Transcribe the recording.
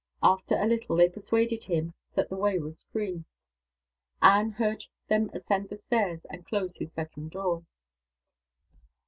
After a little they persuaded him that the way was free. Anne heard them ascend the stairs and close his bedroom door.